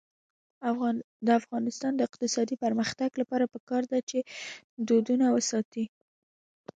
د افغانستان د اقتصادي پرمختګ لپاره پکار ده چې دودونه وساتو.